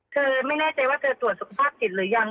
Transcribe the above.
เธอไม่แน่ใจว่าเธอตรวจสุขภาพจิตหรือยัง